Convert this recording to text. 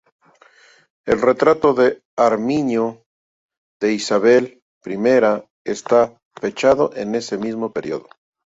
El "Retrato de armiño" de Isabel I está fechado en ese mismo período.